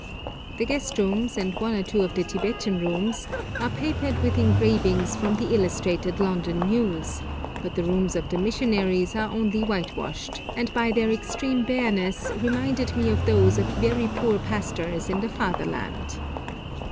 The guest rooms and one or two of the Tibetan rooms are papered with engravings from the Illustrated London News, but the rooms of the missionaries are only whitewashed, and by their extreme bareness reminded me of those of very poor pastors in the Fatherland.